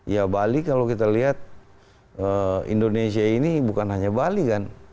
ya bali kalau kita lihat indonesia ini bukan hanya bali kan